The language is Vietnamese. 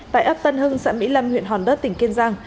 tại ấp tân hưng xã mỹ lâm huyện hòn đất tỉnh kiên giang